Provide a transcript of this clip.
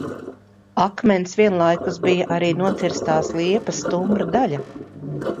Akmens vienlaikus bija arī nocirstās liepas stumbra daļa...